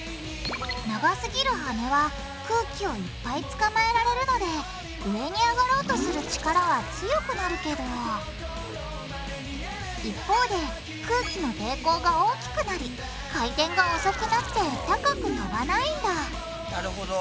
長すぎる羽は空気をいっぱいつかまえられるので上に上がろうとする力は強くなるけど一方で空気の抵抗が大きくなり回転が遅くなって高く飛ばないんだなるほど。